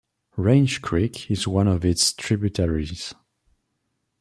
Range Creek is one of its tributaries.